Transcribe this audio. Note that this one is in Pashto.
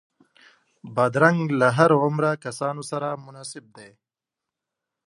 بادرنګ له هر عمره کسانو سره مناسب دی.